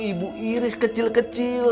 ibu iris kecil kecil